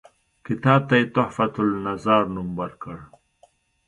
کتاب ته یې تحفته النظار نوم ورکړ.